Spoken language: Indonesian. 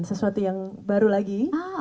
sesuatu yang baru lagi